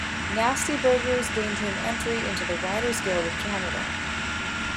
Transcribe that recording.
"Nasty Burgers" gained him entry into the Writers Guild of Canada.